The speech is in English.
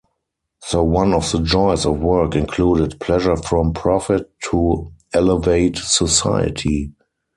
So one of the joys of work included "pleasure from profit" to elevate society.